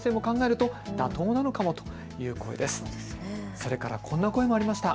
それからこんな声もありました。